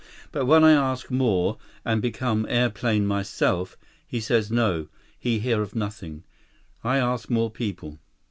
But when I ask more, and become airplane myself, he say no, he hear of nothing. I ask more people."